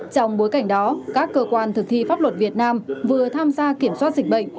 trong bối cảnh đó các cơ quan thực thi pháp luật việt nam vừa tham gia kiểm soát dịch bệnh